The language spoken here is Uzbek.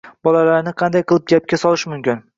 Bolalarni qanday qilib gapga solish mumkin?